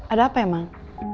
ada apa ya emang